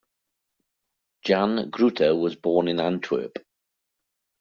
Jan Gruter was born in Antwerp.